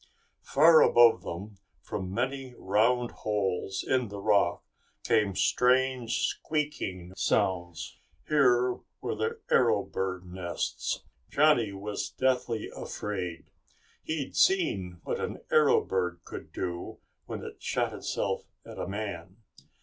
Far above them, from many round holes in the rock, came strange squeaking sounds. Here were the arrow bird nests! Johnny was deathly afraid. He'd seen what an arrow bird could do when it shot itself at a man.